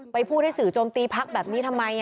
พูดให้สื่อโจมตีพักแบบนี้ทำไม